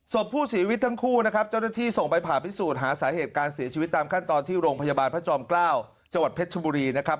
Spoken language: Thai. ศพผู้เสียชีวิตทั้งคู่นะครับเจ้าหน้าที่ส่งไปผ่าพิสูจน์หาสาเหตุการเสียชีวิตตามขั้นตอนที่โรงพยาบาลพระจอมเกล้าจังหวัดเพชรชบุรีนะครับ